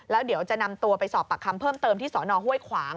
แล้วเดี๋ยวจะนำตัวไปสอบปากคำเพิ่มเติมที่สนห้วยขวาง